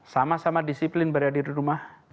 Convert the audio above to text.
sama sama disiplin berada di rumah